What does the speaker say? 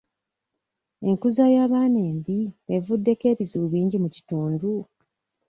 Enkuza y'abaana embi evuddeko ebizibu bingi mu kitundu?